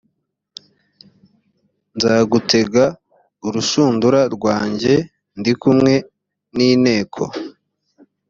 nzagutega urushundura rwanjye ndi kumwe n inteko